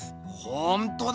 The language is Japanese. ほんとだ